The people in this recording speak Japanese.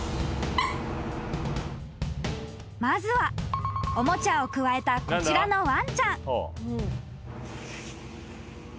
［まずはおもちゃをくわえたこちらのワンちゃん］